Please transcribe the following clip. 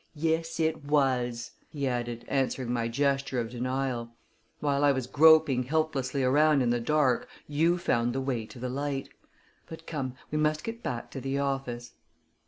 Yes, it was!" he added, answering my gesture of denial. "While I was groping helplessly around in the dark, you found the way to the light. But come; we must get back to the office."